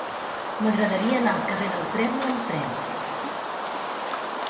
M'agradaria anar al carrer del Trèvol amb tren.